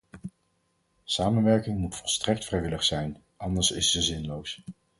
Samenwerking moet volstrekt vrijwillig zijn, anders is ze zinloos.